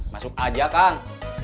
masuk aja kang